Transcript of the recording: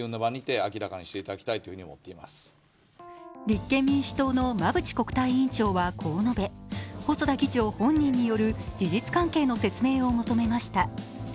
立憲民主党の馬淵国対委員長はこう述べ細田議長本人による事実関係の説明を求めました。